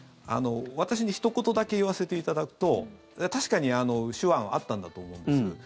私にひと言だけ言わせていただくと確かに手腕はあったんだと思うんです。